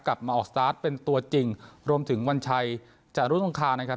มาออกสตาร์ทเป็นตัวจริงรวมถึงวันชัยจารุงคานะครับ